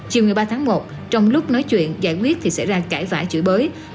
chiều một mươi ba tháng một trong lúc nói chuyện giải quyết thì sẽ ra cãi vã chửi bới